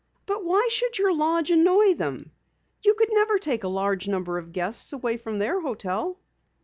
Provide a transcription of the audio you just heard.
"But why should your lodge annoy them? You could never take a large number of guests away from their hotel."